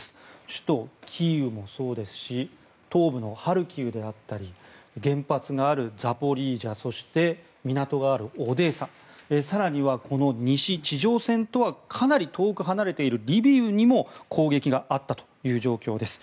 首都キーウもそうですし東部のハルキウであったり原発があるザポリージャそして港があるオデーサ更にはこの西地上戦とはかなり遠く離れているリビウにも攻撃があったという状況です。